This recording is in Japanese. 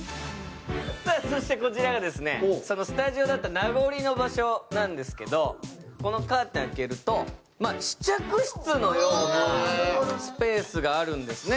そしてこちらがそのスタジオだった名残の場所なんですけど、このカーテン開けると、試着室のようなスペースがあるんですね。